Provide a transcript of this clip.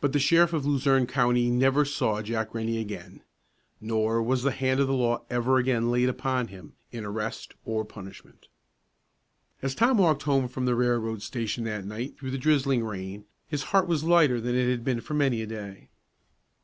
But the sheriff of Luzerne County never saw Jack Rennie again, nor was the hand of the law ever again laid upon him, in arrest or punishment. As Tom walked home from the railroad station that night through the drizzling rain, his heart was lighter than it had been for many a day.